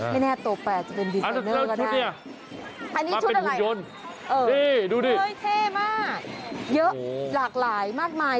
ไม่แน่ตัวแปดจะเป็นดิสเตอร์เนอร์ก็ได้อันนี้ชุดอะไรดูดิเท่มากเยอะหลากหลายมากมาย